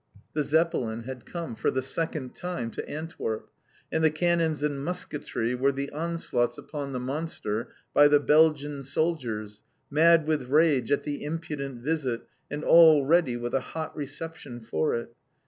The Zeppelin had come, for the second time, to Antwerp! And the cannons and musketry were the onslaughts upon the monster by the Belgian soldiers, mad with rage at the impudent visit, and all ready with a hot reception for it.